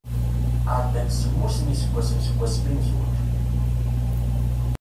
Ɛeddan semmus n yiseggasen seg wasmi i nezwej.